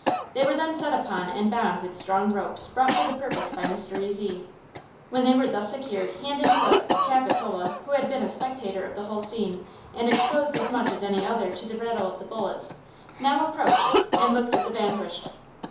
They were then set upon and bound with strong ropes brought for the purpose by Mr. Ezy. When they were thus secured, hand and foot, Capitola, who had been a spectator of the whole scene, and exposed as much as any other to the rattle of the bullets, now approached and looked at the vanquished.